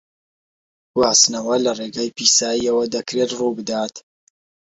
گواستنەوە لە ڕێگای پیساییەوە دەکرێت ڕووبدات.